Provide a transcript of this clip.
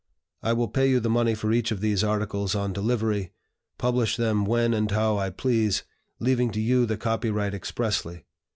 I will pay you the money for each of these articles on delivery, publish them when and how I please, leaving to you the copyright expressly.